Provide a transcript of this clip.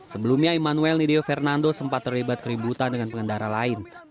sebelumnya emmanuel nideo fernando sempat terlibat keributan dengan pengendara lain